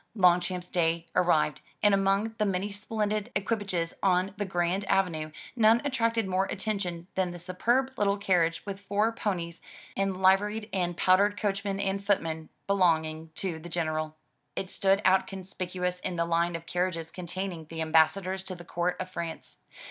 Longchamps day arrived, and among the many splendid equipages on the grand avenue, none attracted more attention than the superb little carriage with four ponies and liveried and powdered coachman and footman, belonging to the General. It 173 M Y BOOK HOUSE stood out conspicuous in the line of carriages containing the Ambassadors to the Court of France.